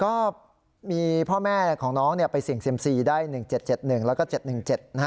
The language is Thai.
ก็มีพ่อแม่ของน้องไปเสี่ยงเซียมซีได้๑๗๗๑แล้วก็๗๑๗นะฮะ